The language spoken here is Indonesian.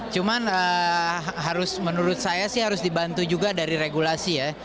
cuman harus menurut saya sih harus dibantu juga dari regulasi ya